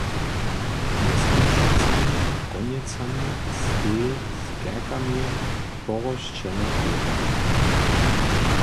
Mjez Kubšicami a Konjecami steji z kerkami porosćena hórka.